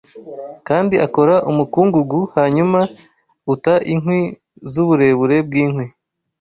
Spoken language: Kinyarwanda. Kandi akora umukungugu hanyuma uta inkwi z'uburebure bw'inkwi